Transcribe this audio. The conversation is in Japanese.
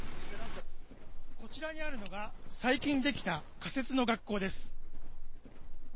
こちらにあるのが最近できた仮設の学校です。